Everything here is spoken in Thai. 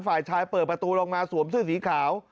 ฝ่ายชายเปิดประตูลงมาสวมเสื้อสีขาว